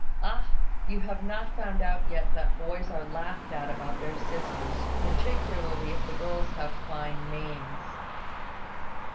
Ah! You have not found out yet that boys are laughed at about their sisters, particularly if the girls have fine names."